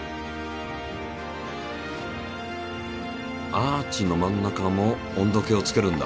アーチの真ん中も温度計をつけるんだ。